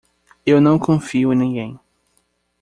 Eu não confio em ninguém.